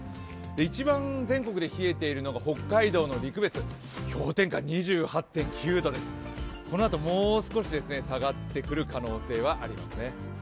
一番全国で冷えているのが北海道の陸別、氷点下２８．９度です、このあともう少し下がってくる可能性はありますね。